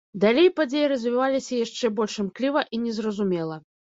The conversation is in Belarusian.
Далей падзеі развіваліся яшчэ больш імкліва і незразумела.